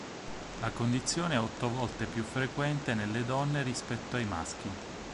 La condizione è otto volte più frequente nelle donne rispetto ai maschi.